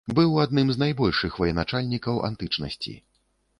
Быў адным з найбольшых ваеначальнікаў антычнасці.